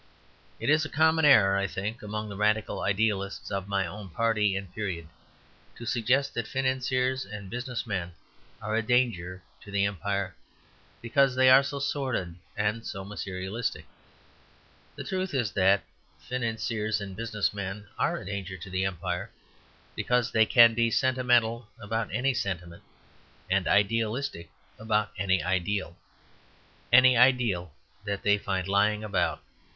It is a common error, I think, among the Radical idealists of my own party and period to suggest that financiers and business men are a danger to the empire because they are so sordid or so materialistic. The truth is that financiers and business men are a danger to the empire because they can be sentimental about any sentiment, and idealistic about any ideal, any ideal that they find lying about.